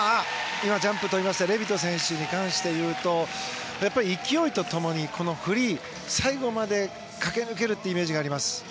今、ジャンプを跳んだレビト選手に関して言うと勢いと共にフリー、最後まで駆け抜けるイメージがあります。